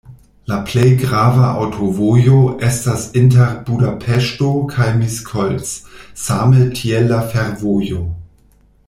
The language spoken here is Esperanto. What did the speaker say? La plej grava aŭtovojo estas inter Budapeŝto kaj Miskolc, same tiel la fervojo.